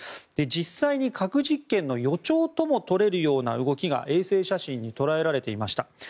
実際に核実験の予兆とも取れるような動きが衛星写真に捉えられていました。